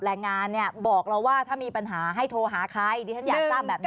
แรงงานเนี่ยบอกเราว่าถ้ามีปัญหาให้โทรหาใครดิฉันอยากทราบแบบนี้